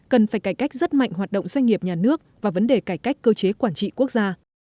cần phải cải cách rất mạnh hoạt động doanh nghiệp nhà nước và vấn đề cải cách cơ chế quản trị quốc gia